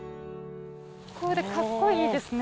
これかっこいいですね。